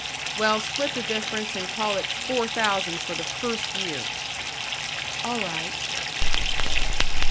"Well, split the difference and call it four thousand for the first year." "All right."